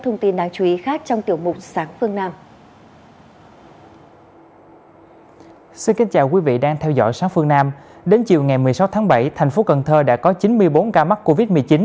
ngày một mươi sáu tháng bảy thành phố cần thơ đã có chín mươi bốn ca mắc covid một mươi chín